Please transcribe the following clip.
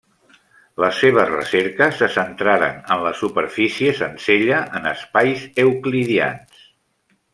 Les seves recerques se centraren en les superfícies en sella en espais euclidians.